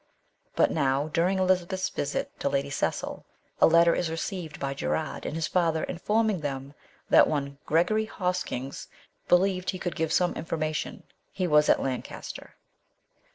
But now, during Elizabeth's visit to Lady Cecil, a letter is received by Gerard and his father informing them that one Gregory Hoskins believed he could give some information ; he was at Lancaster.